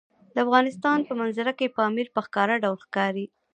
د افغانستان په منظره کې پامیر په ښکاره ډول ښکاري.